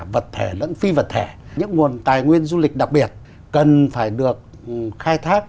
vẫn phi vật thể những nguồn tài nguyên du lịch đặc biệt cần phải được khai thác